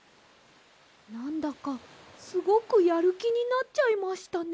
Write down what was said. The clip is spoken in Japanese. なんだかすごくやるきになっちゃいましたね。